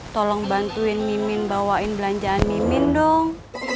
tolong bantuin mimin bawain belanjaan mimin dong